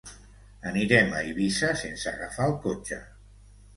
Anirem a Eivissa sense agafar el cotxe.